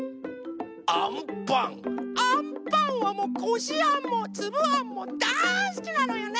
アンパンはもうこしあんもつぶあんもだいすきなのよね。